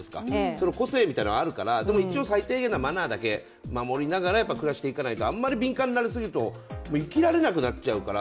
それは個性みたいなのがあるからでも一応、最低限のマナーだけ守りながら暮らしていかないとあんまり敏感になりすぎると、もう生きられなくなっちゃうから。